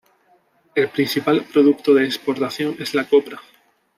El principal producto de exportación es la copra.